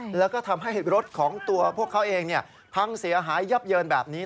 แล้วก็ทำให้รถของตัวพวกเขาเองพังเสียหายยับเยินแบบนี้